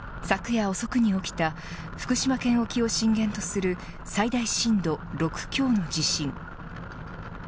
昨夜遅くに起きた福島県沖を震源とする最大震度６強の地震。